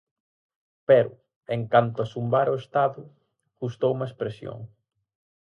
Pero, en canto a zumbar ao Estado, gustoume a expresión.